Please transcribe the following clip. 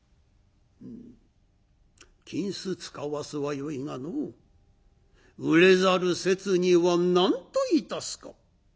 「うん金子使わすはよいがのう売れざる節には何といたすか？」。